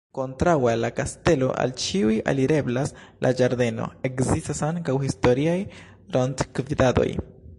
Kontraŭe al la kastelo al ĉiuj alireblas la ĝardeno; ekzistas ankaŭ historiaj rondgivdadoj.